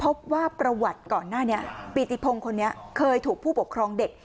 พบว่าประวัติก่อนหน้านี้ปีติพงคนนี้เคยถูกผู้ปกครองเด็ก